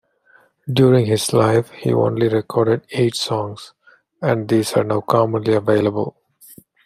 During his life, he only recorded eight songs, and these are now commonly available.